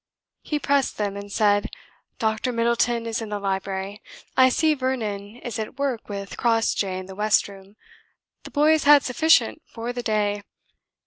He pressed them and said: "Dr Middleton is in the library. I see Vernon is at work with Crossjay in the West room the boy has had sufficient for the day.